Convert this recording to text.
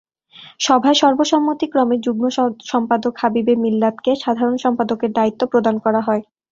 সভায় সর্বসম্মতিক্রমে যুগ্ম সম্পাদক হাবিবে মিল্লাতকে সাধারণ সম্পাদকের দায়িত্ব প্রদান করা হয়।